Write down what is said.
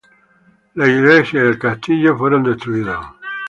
La iglesia y el castillo fueron destruidos.